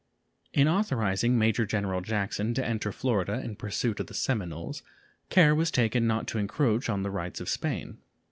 In authorizing Major General Jackson to enter Florida in pursuit of the Seminoles care was taken not to encroach on the rights of Spain.